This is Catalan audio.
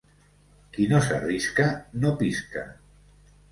Qui no s'arrisca, no pisca!